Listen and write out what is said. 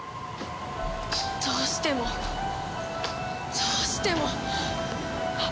どうしてもどうしても！